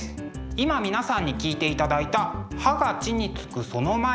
今皆さんに聴いていただいた「葉が地に着くその前に」